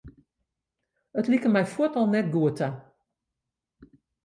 It like my fuort al net goed ta.